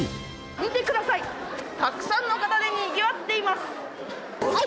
見てください、たくさんの方でにぎわっています。